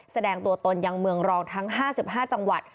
แสดงตัวตนยังเมืองรองทั้ง๕๕จังหวัด